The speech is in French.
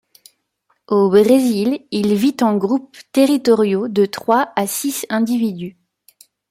Au Brésil, il vit en groupes territoriaux de trois à six individus.